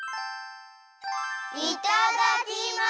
いただきます！